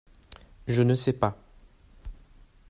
Je ne sais pas !